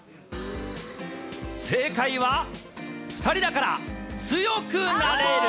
正解は、２人だから、強くなれる。